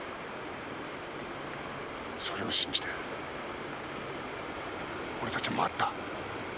それを信じて俺たちは待った。